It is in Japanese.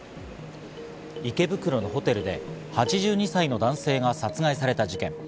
池袋のホテルで８２歳の男性が殺害された事件。